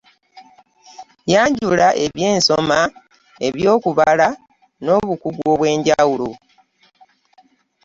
Yanjula ebyensoma eby’okubala n’obukugu obw’enjawulo.